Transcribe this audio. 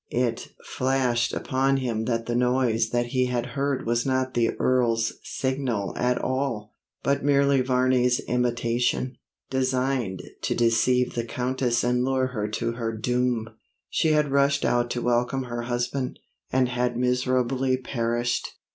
It flashed upon him that the noise that he had heard was not the Earl's signal at all, but merely Varney's imitation, designed to deceive the Countess and lure her to her doom. She had rushed out to welcome her husband, and had miserably perished.